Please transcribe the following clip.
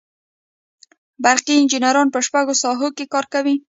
برقي انجینران په شپږو ساحو کې کار کوي.